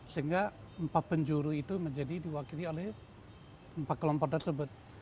sehingga empat penjuru itu menjadi diwakili oleh empat kelompok tersebut